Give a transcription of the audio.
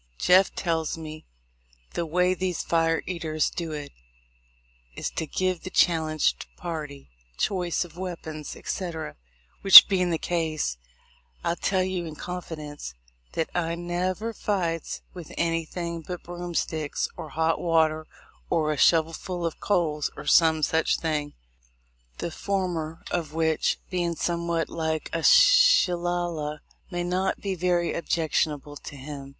Jeff tells me the way these fire eaters do is to give the challenged party choice of weapons, etc., which bein' the case, I'll tell you in confidence that I never fights with anything but broomsticks or hot water or a shovelful of coals or some such thing; 242 THE LIFE 0F LINCOLN. the former of which, being somewhat like a shilla lah, may not be very objectional to him.